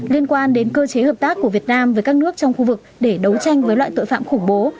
liên quan đến cơ chế hợp tác của việt nam với các nước trong khu vực để đấu tranh với loại tội phạm khủng bố